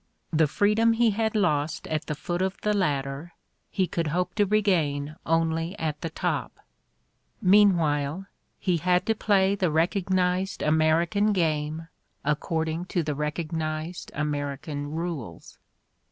The freedom he had lost at the foot of the ladder he could hope to regain only at the top. Meanwhile he had to play the recognized American game according to the recognized American rules.